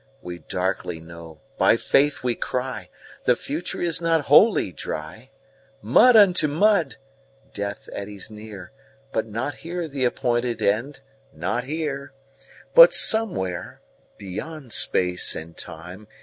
13We darkly know, by Faith we cry,14The future is not Wholly Dry.15Mud unto mud! Death eddies near 16Not here the appointed End, not here!17But somewhere, beyond Space and Time.